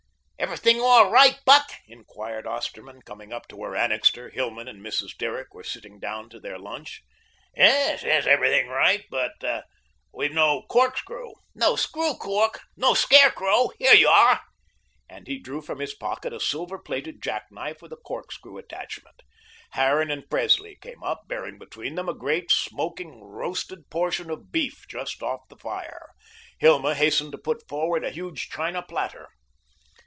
"Everything all right, Buck?" inquired Osterman, coming up to where Annixter, Hilma and Mrs. Derrick were sitting down to their lunch. "Yes, yes, everything right. But we've no cork screw." "No screw cork no scare crow? Here you are," and he drew from his pocket a silver plated jack knife with a cork screw attachment. Harran and Presley came up, bearing between them a great smoking, roasted portion of beef just off the fire. Hilma hastened to put forward a huge china platter.